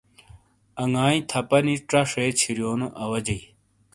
انگاٸی تھاپانی ژہ شے چھِیریونو اواجئی۔